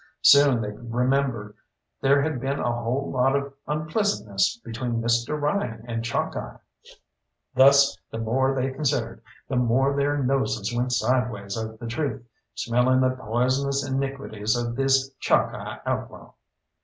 Soon they remembered there had been a whole lot of unpleasantness between Mr. Ryan and Chalkeye. Thus the more they considered, the more their noses went sideways of the truth, smelling the poisonous iniquities of this Chalkeye outlaw.